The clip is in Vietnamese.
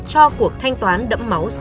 cho cuộc thanh toán đẫm máu sạch sẽ đến